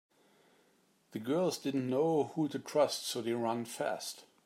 The girls didn’t know who to trust so they ran fast.